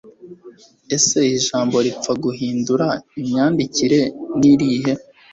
Ese ijambo ripfa guhindura imyandikire nirihe